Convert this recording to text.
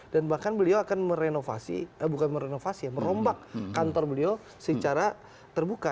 dan bahkan beliau akan merombak kantor beliau secara terbuka